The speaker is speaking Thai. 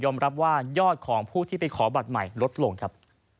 รับว่ายอดของผู้ที่ไปขอบัตรใหม่ลดลงครับ